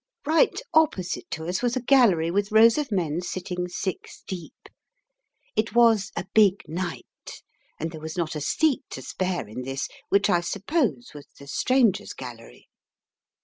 Right opposite to us was a gallery with rows of men sitting six deep. It was "a big night," and there was not a seat to spare in this, which I suppose was the Strangers' Gallery.